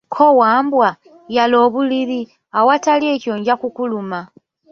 Ko Wambwa, yala obuliri, awatali ekyo nja kukuluma.